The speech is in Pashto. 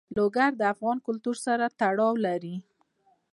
لوگر د افغان کلتور سره تړاو لري.